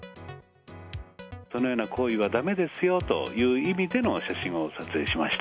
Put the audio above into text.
そのような行為はだめですよという意味での写真を撮影しました。